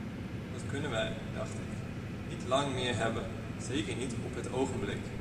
Dat kunnen wij, dacht ik, niet lang meer hebben, zeker niet op het ogenblik.